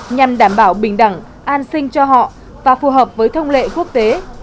nhằm đảm bảo bình đẳng an sinh cho họ và phù hợp với thông lệ quốc tế